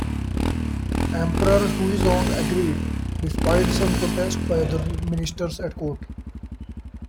Emperor Huizong agreed, despite some protest by other ministers at court.